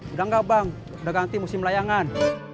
udah nggak bang udah ganti musim layangan